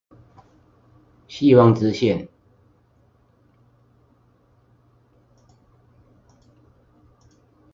希望之線